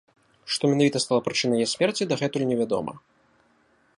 Што менавіта стала прычынай яе смерці, дагэтуль не вядома.